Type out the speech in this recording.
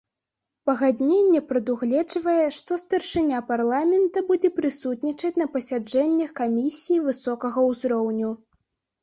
Пагадненне прадугледжвае, што старшыня парламента будзе прысутнічаць на пасяджэннях камісіі высокага ўзроўню.